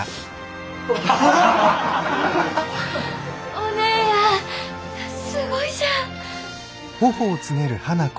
お姉やんすごいじゃん！